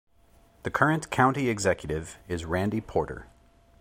The current county executive is Randy Porter.